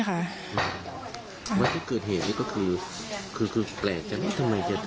เกพธีลที่เกิดเหตุคือแปลกนะล่ะทำไม